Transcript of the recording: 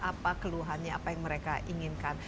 apa keluhannya apa yang mereka inginkan